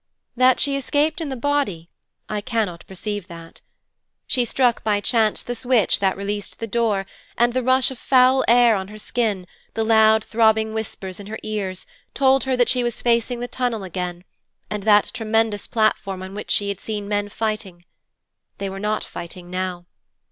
That she escapes in the body I cannot perceive that. She struck, by chance, the switch that released the door, and the rush of foul air on her skin, the loud throbbing whispers in her ears, told her that she was facing the tunnel again, and that tremendous platform on which she had seen men fighting. They were not fighting now.